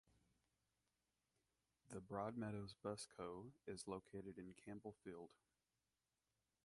The Broadmeadows Bus co is located in Campbellfield.